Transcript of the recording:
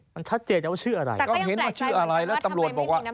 มันชัดเจนนะว่าชื่ออะไรก็เห็นว่าชื่ออะไรแล้วตำรวจบอกว่า